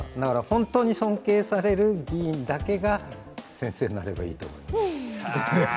本当に尊敬される議員だけが先生になればいいと思います。